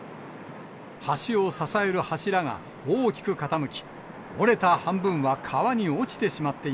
橋を支える柱が大きく傾き、折れた半分は川に落ちてしまって